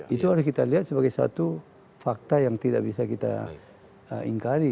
itu harus kita lihat sebagai satu fakta yang tidak bisa kita ingkari